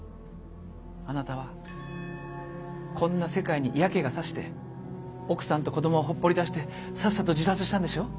あなたはこんな世界に嫌気がさして奥さんと子供を放っぽり出してさっさと自殺したんでしょう？